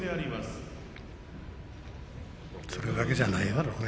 それだけじゃないだろうね。